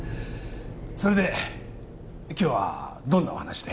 それで今日はどんなお話で？